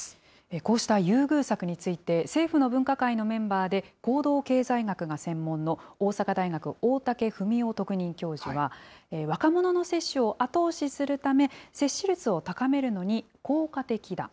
こうした優遇策について、政府の分科会のメンバーで、行動経済学が専門の大阪大学、大竹文雄特任教授は、若者の接種を後押しするため、接種率を高めるのに、効果的だ。